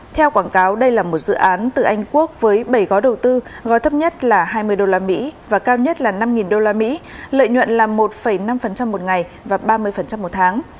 theo quảng cáo đây là một dự án từ anh quốc với bảy gói đầu tư gói thấp nhất là hai mươi usd và cao nhất là năm usd lợi nhuận là một năm một ngày và ba mươi một tháng